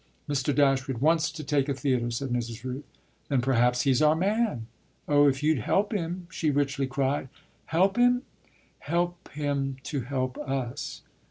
"Mr. Dashwood wants to take a theatre," said Mrs. Rooth. "Then perhaps he's our man." "Oh if you'd help him!" she richly cried. "Help him?" "Help him to help us."